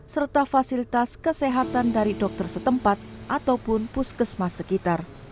serta fasilitas kesehatan dari dokter setempat ataupun puskesmas sekitar